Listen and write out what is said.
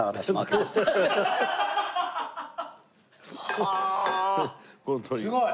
はあすごい！